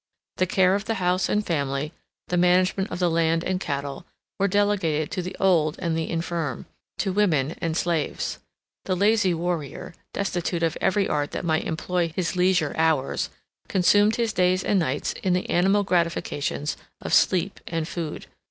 The care of the house and family, the management of the land and cattle, were delegated to the old and the infirm, to women and slaves. The lazy warrior, destitute of every art that might employ his leisure hours, consumed his days and nights in the animal gratifications of sleep and food.